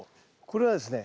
これはですね